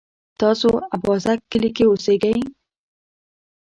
تاسو اببازک کلي کی اوسیږئ؟